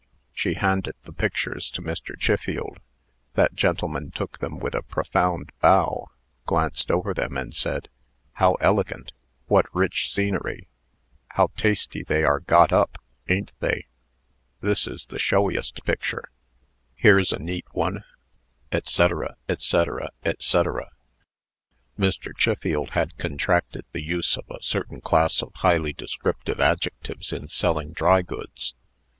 She handed the pictures to Mr. Chiffield. That gentleman took them with a profound bow, glanced over them, and said, "How elegant!" "What rich scenery!" "How tasty they are got up, a'n't they?" "This is the showiest picture;" "Here's a neat one," &c., &c., &c. Mr. Chiffield had contracted the use of a certain class of highly descriptive adjectives in selling dry goods.